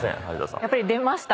やっぱり出ました？